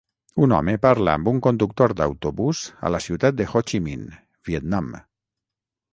Un home parla amb un conductor d'autobús a la ciutat de Ho Chi Minh, Vietnam.